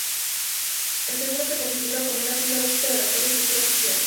El seguro se configura como una pieza básica de la actual estructura social.